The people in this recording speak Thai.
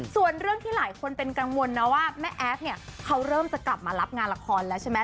ส่วนเรื่องที่หลายคนเป็นกังวลนะว่าแม่แอฟเนี่ยเขาเริ่มจะกลับมารับงานละครแล้วใช่ไหม